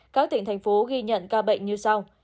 các tỉnh thành phố ghi nhận ca bệnh như sau